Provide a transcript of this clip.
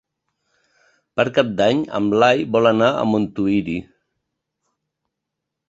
Per Cap d'Any en Blai vol anar a Montuïri.